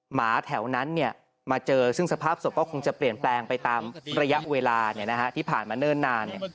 หมาแถวนั้นมาเจอซึ่งสภาพศพก็คงจะเปลี่ยนแปลงไปตามระยะเวลาที่ผ่านมาเนิ่นนาน